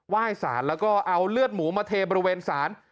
ยสารแล้วก็เอาเลือดหมูมาเทบริเวณศาล